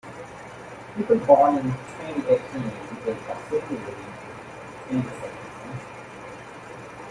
People born in twenty-eighteen will possibly live into the twenty-second century.